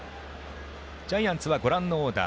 ジャイアンツはご覧のオーダー。